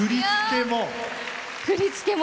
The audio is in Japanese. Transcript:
振り付けも。